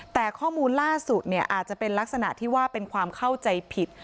แต่ข้อมูลล่าสุดเนี่ยอาจจะเป็นลักษณะที่ว่าเป็นความเข้าใจผิด